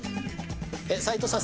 齋藤さん